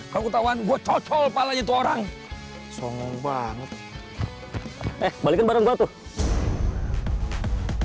kau ketahuan gua cocol palanya itu orang song banget eh balikin barang gua tuh